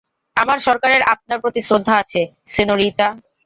আমার সরকারের আপনার প্রতি শ্রদ্ধা আছে, সেনোরিটা।